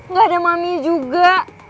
gak ada mami juga